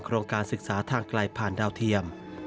โครงการศึกษาทางไกลผ่านดาวเทียม